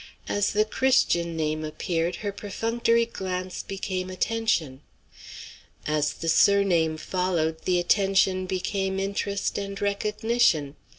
As the Christian name appeared, her perfunctory glance became attention. As the surname followed, the attention became interest and recognition.